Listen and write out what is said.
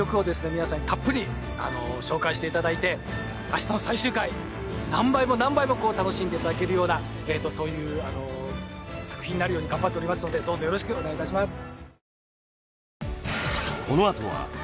皆さんにたっぷり紹介していただいて明日の最終回何倍も何倍も楽しんでいただけるようなそういう作品になるように頑張っておりますのでどうぞよろしくお願いいたします